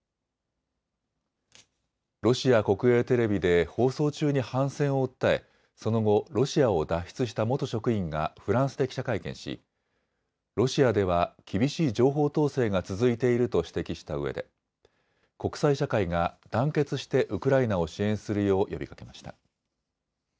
ロシア国営テレビで放送中に反戦を訴えその後、ロシアを脱出した元職員がフランスで記者会見しロシアでは厳しい情報統制が続いていると指摘したうえで国際社会が団結してウクライナを支援するよう呼びかけました。